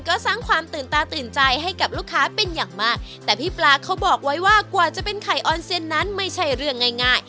ก็สร้างความตื่นตาตื่นใจให้กับลูกค้าเป็นอย่างมากแต่พี่ปลาเขาบอกไว้ว่ากว่าจะเป็นไข่ออนเซ็นนั้นไม่ใช่เรื่องง่ายง่าย